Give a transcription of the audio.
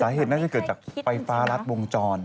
สาเหตุน่าจะเกิดจากไฟฟ้ารัดวงจร